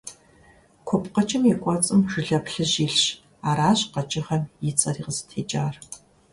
КупкъыкӀым и кӀуэцӀым жылэ плъыжь илъщ, аращ къэкӀыгъэм и цӀэри къызытекӀар.